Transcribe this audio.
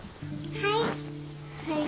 はい。